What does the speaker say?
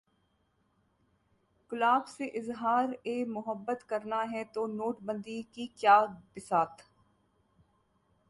गुलाब से इजहार-ए-मुहब्बत करना है तो नोटबंदी की क्या बिसात...